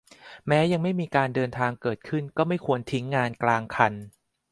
แม้ยังไม่มีการเดินทางเกิดขึ้นก็ไม่ควรทิ้งงานกลางคัน